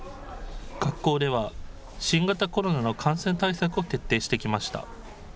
学校では、新型コロナの感染対策を徹底してきました。